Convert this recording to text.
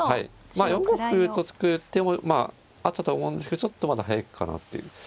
まあ４五歩と突く手もあったとは思うんですけどちょっとまだ早いかなという。